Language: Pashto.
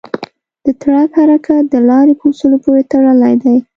د ټرک حرکت د لارې په اصولو پورې تړلی دی.